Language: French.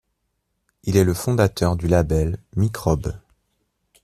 Il est le fondateur du label Microbe.